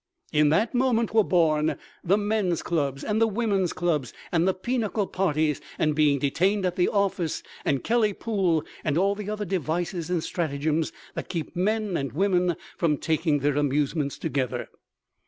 In that moment were born the men's clubs and the women's clubs and the pinochle parties and being detained at the office and Kelly pool and all the other devices and stratagems that keep men and women from taking their amusements together.